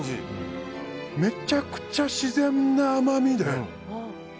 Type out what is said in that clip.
めちゃくちゃ自然な甘みで。